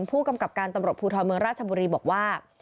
ผู้กำกับการตำรวจภูทรเมืองราชบุรีบอกว่า